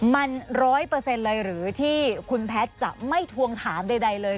มันร้อยเปอร์เซ็นต์เลยหรือที่คุณแพทย์จะไม่ทวงถามใดเลย